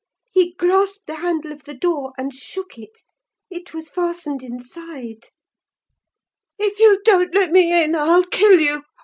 He grasped the handle of the door, and shook it: it was fastened inside. "'If you don't let me in, I'll kill you!